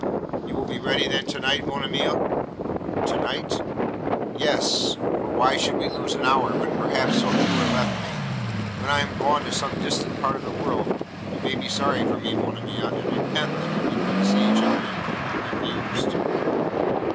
'You will be ready then to night, Monimia?' 'To night?' 'Yes; for why should we lose an hour, when perhaps so few are left me? When I am gone to some distant part of the world, you may be sorry for me, Monimia, and repent that when we could see each other you refused.'